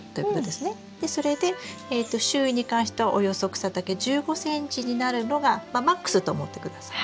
それで周囲に関してはおよそ草丈１５ｃｍになるのがまあマックスと思って下さい。